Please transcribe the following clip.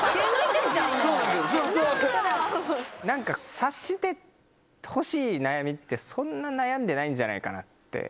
察してほしい悩みってそんな悩んでないんじゃないかなって。